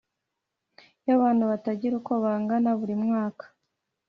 y’ abantu batagira uko bangana buri mwaka.